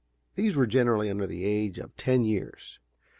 These were generally under the age of ten years.